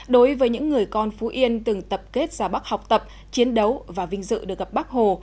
đối với những người con phú yên từng tập kết ra bắc học tập chiến đấu và vinh dự được gặp bác hồ